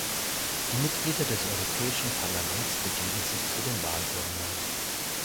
Die Mitglieder des Europäischen Parlaments begeben sich zu den Wahlurnen.